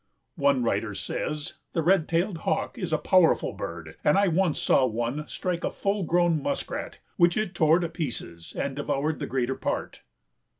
One writer says, "The Red tailed Hawk is a powerful bird and I once saw one strike a full grown muskrat, which it tore to pieces and devoured the greater part."